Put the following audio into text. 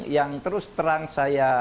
yang terus terang saya